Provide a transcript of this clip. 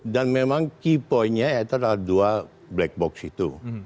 dan memang key point nya adalah dua black box itu